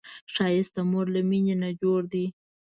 ښایست د مور له مینې نه جوړ دی